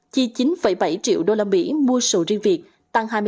chi chín bảy triệu usd mua sầu riêng việt nam